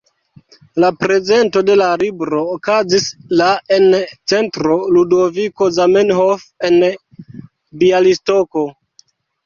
La prezento de la libro okazis la en Centro Ludoviko Zamenhof en Bjalistoko.